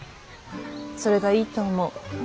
それがいいと思う。